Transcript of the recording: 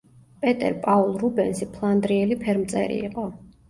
პეტერ პაულ რუბენსი ფლანდრიელი ფერმწერი იყო.